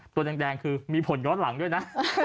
ตัวแดงคือมีผลย้อนหลังด้วยนะ